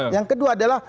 yang kedua adalah